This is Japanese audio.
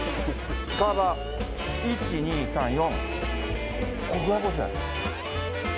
サバ、１、２、３、４。